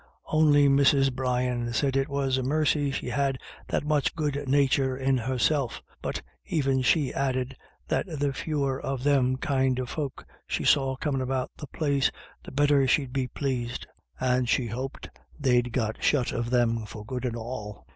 Only Mrs. Brian said it was a mercy she had that much good nature in her itself ; but even she added that the fewer of them kind of folks she saw comin' about the place the better she'd be plased ; and she hoped they'd got shut of them for good and all.